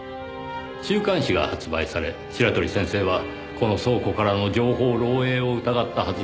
週刊誌が発売され白鳥先生はこの倉庫からの情報漏えいを疑ったはずです。